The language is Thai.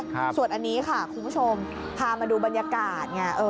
เห็นไปแล้วใช่ไหมส่วนอันนี้คุณผู้ชมพามาดูบรรยากาศ